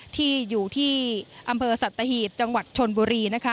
ที่อยู่ที่อำเภอสัตว์ตะหิตจังหวัดชนบุรี